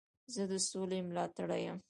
زه د سولي ملاتړی یم.